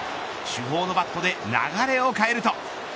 主砲のバットで流れを変えると。